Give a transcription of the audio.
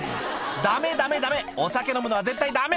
「ダメダメダメお酒飲むのは絶対ダメ！」